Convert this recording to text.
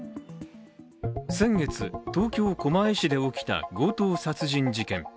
先月、東京・狛江市で起きた強盗殺人事件。